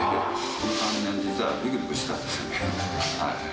この３年、実はびくびくしてたんですよね。